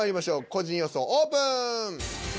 個人予想オープン！